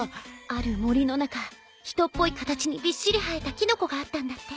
ある森の中人っぽい形にびっしり生えたキノコがあったんだって。